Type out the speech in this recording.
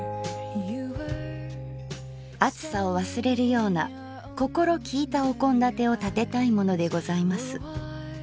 「暑さを忘れるような心きいたお献立をたてたいものでございます。